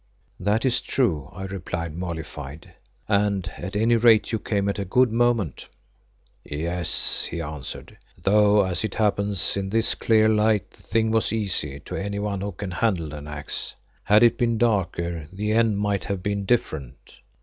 "That is true," I replied, mollified, "and at any rate you came at a good moment." "Yes," he answered, "though as it happens in this clear light the thing was easy to anyone who can handle an axe. Had it been darker the end might have been different.